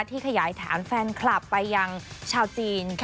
ที่ขยายฐานฟันคลับไปอย่างชาวจีน